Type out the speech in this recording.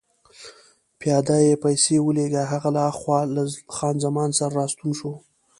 پیاده يې پسې ولېږه، هغه له هاخوا له خان زمان سره راستون شو.